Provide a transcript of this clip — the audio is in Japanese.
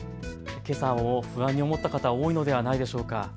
けさも不安に思った方、多いのではないでしょうか。